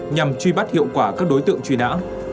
nhằm truy bắt hiệu quả các đối tượng truy nã